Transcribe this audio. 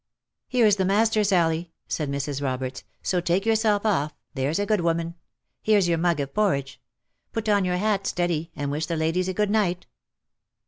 " Here's the master, Sally !" said Mrs. Roberts ;" so take yourself off, there's a good woman. Here's your mug of porridge ; put on your hat steady, and wish the ladies a good night."